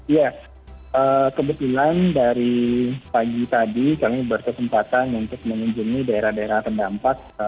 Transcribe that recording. ya kebetulan dari pagi tadi kami berkesempatan untuk mengunjungi daerah daerah terdampak